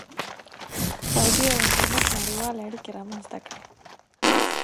• راډیو او انټرنېټ نړیوالې اړیکې رامنځته کړې.